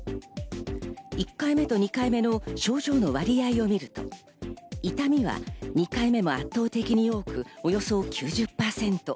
１回目と２回目の症状の割合を見ると、痛みは２回目も圧倒的に多く、およそ９０％。